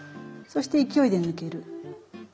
そして勢いで抜ける。